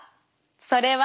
それは？